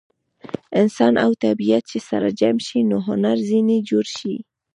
انسان او طبیعت چې سره جمع شي نو هنر ځینې جوړ شي.